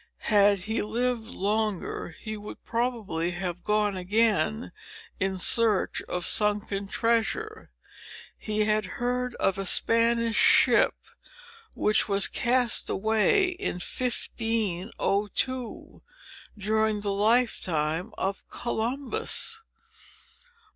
Had he lived longer, he would probably have gone again in search of sunken treasure. He had heard of a Spanish ship, which was cast away in 1502, during the lifetime of Columbus.